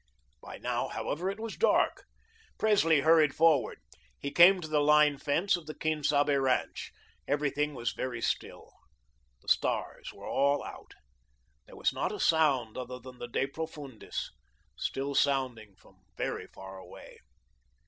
By now, however, it was dark. Presley hurried forward. He came to the line fence of the Quien Sabe ranch. Everything was very still. The stars were all out. There was not a sound other than the de Profundis, still sounding from very far away.